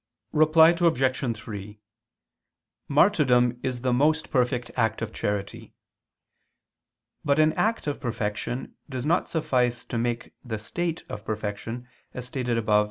Reply Obj. 3: Martyrdom is the most perfect act of charity. But an act of perfection does not suffice to make the state of perfection, as stated above (A.